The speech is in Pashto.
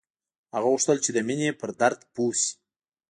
هغه غوښتل چې د مینې پر درد پوه شي